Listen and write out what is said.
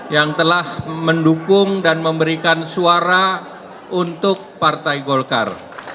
yang telah mendukung dan memberikan suara untuk partai golkar